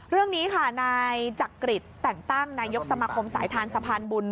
เรื่องนี้ค่ะนายจักริตแต่งตั้งนายกสมาคมสายทานสะพานบุญ